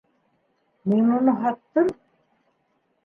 Мин уны һаттым!